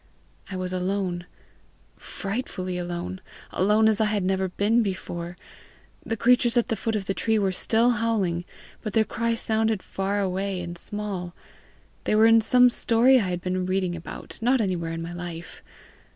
I was alone, frightfully alone alone as I had never been before. The creatures at the foot of the tree were still howling, but their cry sounded far away and small; they were in some story I had been reading, not anywhere in my life!